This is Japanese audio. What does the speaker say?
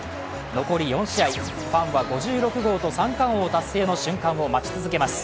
残り４試合、ファンは５６号と３冠王達成の瞬間を待ち続けます。